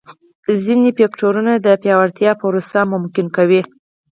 ځیني فکټورونه د پیاوړتیا پروسه ممکنوي.